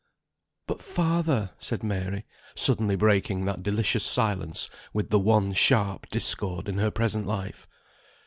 "But father!" said Mary, suddenly breaking that delicious silence with the one sharp discord in her present life.